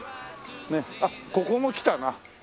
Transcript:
あっここも来たな。